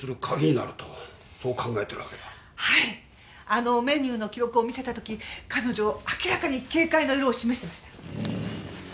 あのメニューの記録を見せた時彼女明らかに警戒の色を示してました。